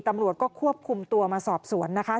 ตำรวจก็ควบคุมตัวมาสอบสวนนะคะ